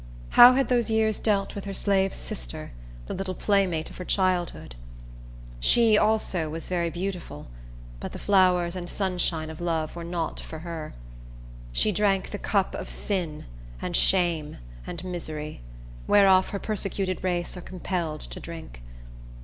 How had those years dealt with her slave sister, the little playmate of her childhood? She, also, was very beautiful; but the flowers and sunshine of love were not for her. She drank the cup of sin, and shame, and misery, whereof her persecuted race are compelled to drink.